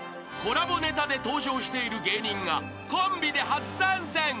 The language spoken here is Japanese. ［コラボネタで登場している芸人がコンビで初参戦］